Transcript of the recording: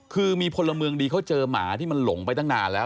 คือมีพลเมืองดีเขาเจอหมาที่มันหลงไปตั้งนานแล้ว